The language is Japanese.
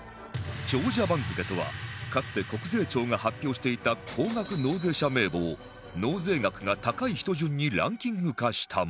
長者番付とはかつて国税庁が発表していた高額納税者名簿を納税額が高い人順にランキング化したもの